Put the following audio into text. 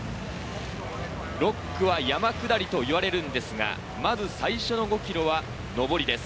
６区は山下りといわれるんですが、まず最初の５ｋｍは上りです。